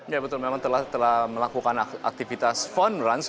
ya betul memang telah melakukan aktivitas fun runch